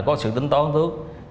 có chứng tức là